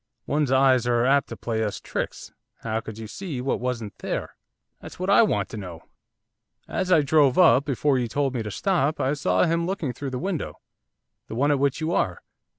'One's eyes are apt to play us tricks; how could you see what wasn't there?' 'That's what I want to know. As I drove up, before you told me to stop, I saw him looking through the window, the one at which you are.